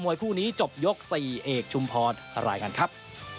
คู่นี้จบยก๔เอกชุมพรอะไรกันครับ